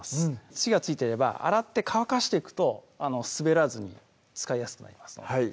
土が付いてれば洗って乾かしていくと滑らずに使いやすくなりますのではい